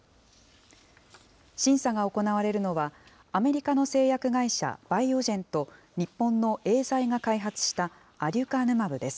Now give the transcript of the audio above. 審査が行われるのは、アメリカの製薬会社、バイオジェンと、日本のエーザイが開発したアデュカヌマブです。